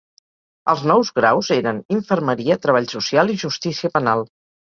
Els nous graus eren infermeria, treball social i justícia penal.